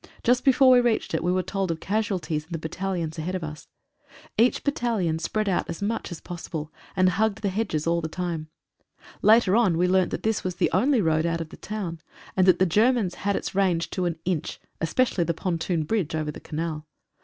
Just before we reached it we were told of casualties in the battalions ahead of us. Each battalion spread out as much as posible, and hugged the hedges all the time. Later on we learnt that this was the only road out of the town, and that the Germans had its range to an inch, especially the pontoon bridge over the canal.